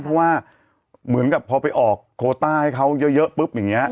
เพราะว่าเหมือนกับพอไปออกโคต้าให้เขาเยอะปุ๊บอย่างนี้